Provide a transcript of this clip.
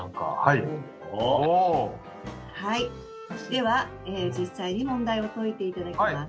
では実際に問題を解いていただきます。